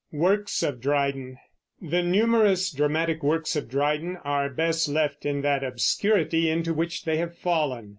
WORKS OF DRYDEN. The numerous dramatic works of Dryden are best left in that obscurity into which they have fallen.